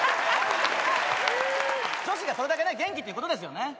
女子がそれだけ元気っていうことですよね。